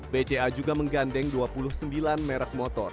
bca juga menggandeng dua puluh sembilan merek motor